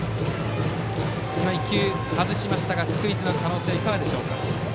１球外しましたがスクイズの可能性はいかがでしょう。